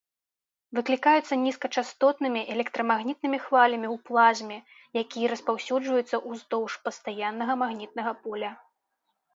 Выклікаюцца нізкачастотнымі электрамагнітнымі хвалямі ў плазме, якія распаўсюджваюцца ўздоўж пастаяннага магнітнага поля.